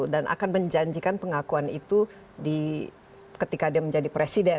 dan akan menjanjikan pengakuan itu ketika dia menjadi presiden